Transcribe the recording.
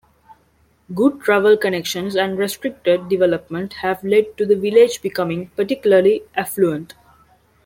Good travel connections and restricted development have led to the village becoming particularly affluent.